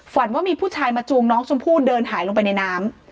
ว่ามีผู้ชายมาจวงน้องชมพู่เดินหายลงไปในน้ำ